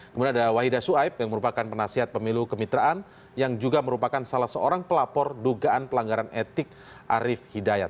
kemudian ada wahida suaib yang merupakan penasihat pemilu kemitraan yang juga merupakan salah seorang pelapor dugaan pelanggaran etik arief hidayat